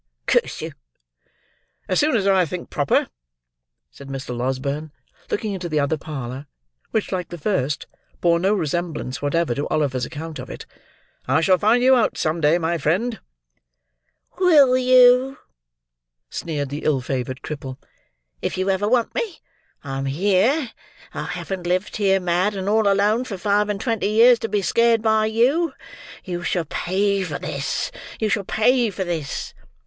Curse you!" "As soon as I think proper," said Mr. Losberne, looking into the other parlour; which, like the first, bore no resemblance whatever to Oliver's account of it. "I shall find you out, some day, my friend." "Will you?" sneered the ill favoured cripple. "If you ever want me, I'm here. I haven't lived here mad and all alone, for five and twenty years, to be scared by you. You shall pay for this; you shall pay for this."